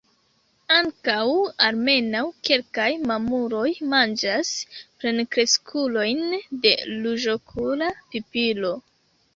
Ankaŭ almenaŭ kelkaj mamuloj manĝas plenkreskulojn de Ruĝokula pipilo.